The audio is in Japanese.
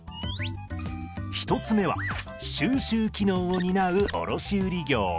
１つ目は収集機能を担う卸売業。